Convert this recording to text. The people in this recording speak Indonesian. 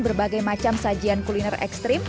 berbagai macam sajian kuliner ekstrim